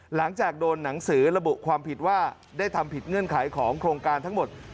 หลังจากโดนหนังสือระบุความผิดว่าได้ทำผิดเงื่อนไขของโครงการทั้งหมด